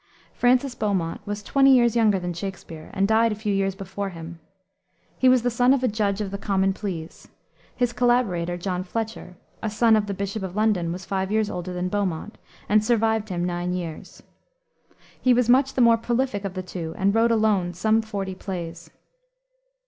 Francis Beaumont was twenty years younger than Shakspere, and died a few years before him. He was the son of a judge of the Common Pleas. His collaborator, John Fletcher, a son of the bishop of London, was five years older than Beaumont, and survived him nine years. He was much the more prolific of the two and wrote alone some forty plays.